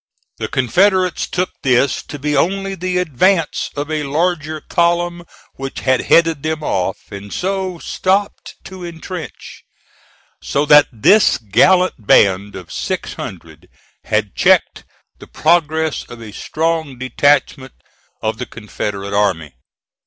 The Confederates took this to be only the advance of a larger column which had headed them off, and so stopped to intrench; so that this gallant band of six hundred had checked the progress of a strong detachment of the Confederate army.